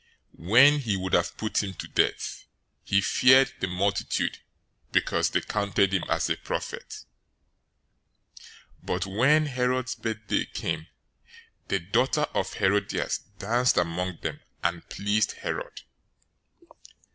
014:005 When he would have put him to death, he feared the multitude, because they counted him as a prophet. 014:006 But when Herod's birthday came, the daughter of Herodias danced among them and pleased Herod.